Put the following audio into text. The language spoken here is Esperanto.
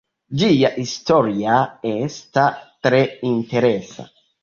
Ĝia historia esta tre interesa.